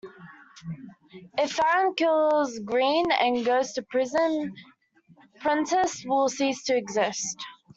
If Aaron kills Greene and goes to prison, Prentice will cease to exist.